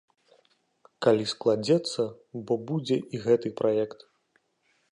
Калі складзецца, бо будзе і гэты праект.